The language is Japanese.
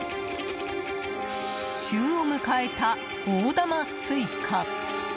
旬を迎えた大玉スイカ。